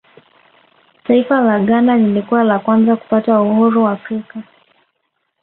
taifa la ghana lilikuwa la kwanza kupata uhuru afrika